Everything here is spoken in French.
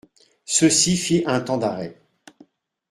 Ceci fit un temps d'arrêt.